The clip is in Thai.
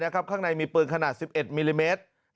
ข้างในมีปืนขนาด๑๑มิลลิเมตร